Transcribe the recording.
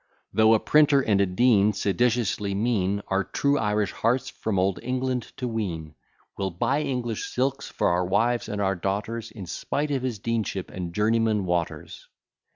Though a printer and Dean, Seditiously mean, Our true Irish hearts from Old England to wean, We'll buy English silks for our wives and our daughters, In spite of his deanship and journeyman Waters.